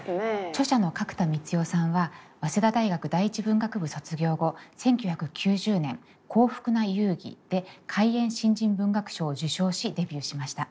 著者の角田光代さんは早稲田大学第一文学部卒業後１９９０年「幸福な遊戯」で海燕新人文学賞を受賞しデビューしました。